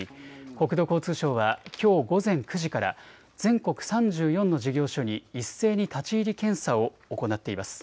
国土交通省はきょう午前９時から全国３４の事業所に一斉に立ち入り検査を行っています。